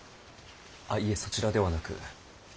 あいえそちらではなく。